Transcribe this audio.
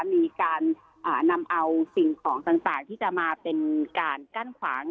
มีการนำเอาสิ่งของต่างที่จะมาเป็นการกั้นขวาง